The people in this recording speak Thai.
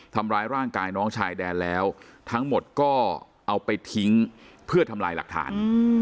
ทำร้ายร่างกายน้องชายแดนแล้วทั้งหมดก็เอาไปทิ้งเพื่อทำลายหลักฐาน